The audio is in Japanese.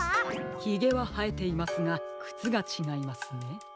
ひげははえていますがくつがちがいますね。